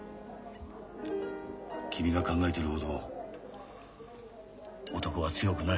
君が考えてるほど男は強くない。